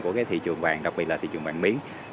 của cái thị trường vàng đặc biệt là thị trường vàng miếng